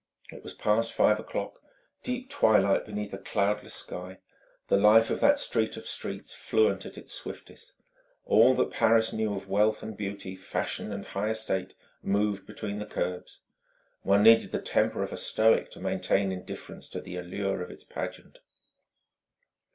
It was past five o'clock deep twilight beneath a cloudless sky the life of that street of streets fluent at its swiftest. All that Paris knew of wealth and beauty, fashion and high estate, moved between the curbs. One needed the temper of a Stoic to maintain indifference to the allure of its pageant.